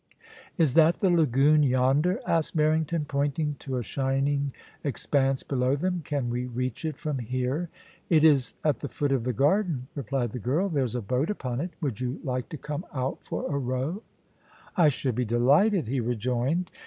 * Is that the lagoon yonder ?* asked Barrington, pointing to a shining expanse below them. ' Can we reach it from here?' ' It is at the foot of the garden,' replied the girl. * There's a boat upon it ; would you like to come out for a row ?I should be delighted,' he rejoined.